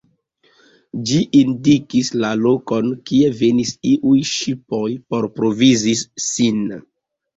Ĝi indikis la lokon, kie venis iuj ŝipoj por provizi sin.